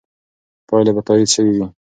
پایلې به تایید شوې وي.